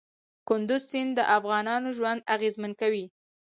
کندز سیند د افغانانو ژوند اغېزمن کوي.